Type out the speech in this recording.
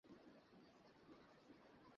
হোটেলে টাকা দেবে কী করে?